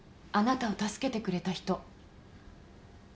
あなたを助けてくれた人。